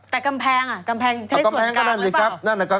แต่กำแพงใช้ส่วนกลางหรือเปล่า